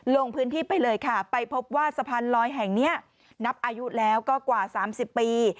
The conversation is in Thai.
ลงพื้นที่ไปเลยค่ะไปพบว่าสะพานลอยแห่งนี้นับอายุแล้วก็กว่า๓๐ปี